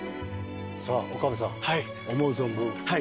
さあ岡部さん思う存分。